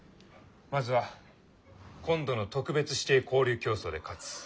まずは今度の特別指定交流競走で勝つ。